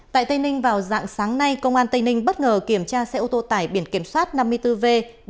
tại tây ninh vào dạng sáng nay công an tây ninh bất ngờ kiểm tra xe ô tô tải biển kiểm soát năm mươi bốn v bốn nghìn sáu trăm hai mươi ba